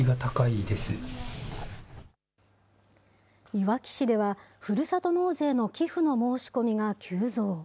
いわき市では、ふるさと納税の寄付の申し込みが急増。